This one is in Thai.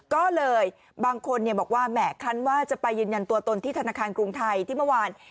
ก็เลยบางคนบอกว่าแหม่คลั้นว่าจะไปยืนยันตัวตนที่ธนาคารกรุงไทยที่เมื่อวาน